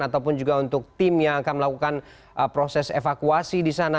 ataupun juga untuk tim yang akan melakukan proses evakuasi di sana